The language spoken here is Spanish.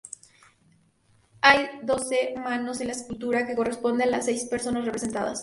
Hay doce manos en la escultura que corresponden a las seis personas representadas.